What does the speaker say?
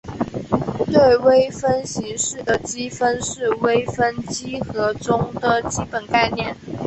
对微分形式的积分是微分几何中的基本概念。